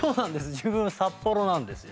自分札幌なんですよ。